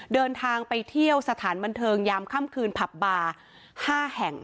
เดินทางไปเที่ยวสถานบันเทิงยามค่ำคืนผับบาร์๕แห่ง